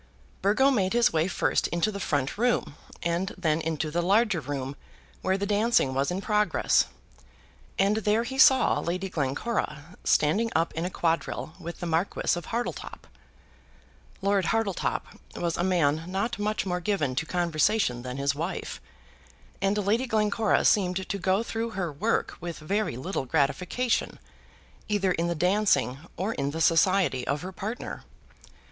Burgo made his way first into the front room and then into the larger room where the dancing was in progress, and there he saw Lady Glencora standing up in a quadrille with the Marquis of Hartletop. Lord Hartletop was a man not much more given to conversation than his wife, and Lady Glencora seemed to go through her work with very little gratification either in the dancing or in the society of her partner.